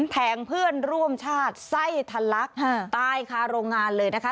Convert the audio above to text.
แทงเพื่อนร่วมชาติไส้ทะลักตายคาโรงงานเลยนะคะ